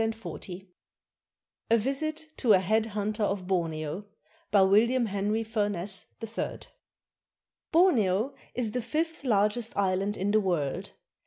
I A VISIT TO A HEAD HUNTER OF BORNEO BY WILLIAM HENRY FURNESS, THIRD [Borneo is the fifth largest island in the world.